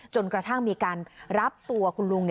จนกระทั่งมีการรับตัวคุณลุง